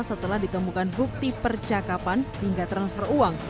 setelah ditemukan bukti percakapan hingga transfer uang